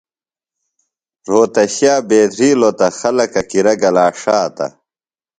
رھوتشیہ بیدھرِلوۡ تہ خلکہ کِرہ گلا ݜاتہ۔